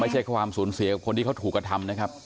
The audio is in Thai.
ไม่ใช่ความสูญเสียกับคนที่เขาถูกกระทำนะครับ